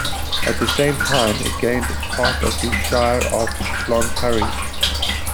At the same time it gained part of the Shire of Cloncurry.